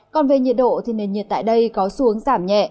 còn về nhiệt độ nền nhiệt tại đây có xu hướng giảm nhẹ